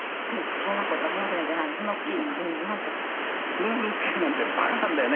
数学の試験なんて馬鹿なんだよね。